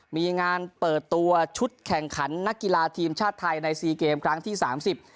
มีงานเปิดตัวชุดแข่งขันนักกีฬาทีมชาติไทยในซีเกมครั้งที่สามสิบ